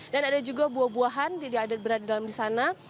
dan ada juga buah buahan yang berada di dalam di sana